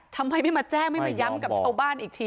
ทำไมไม่มาแจ้งไม่มาย้ำกับชาวบ้านอีกที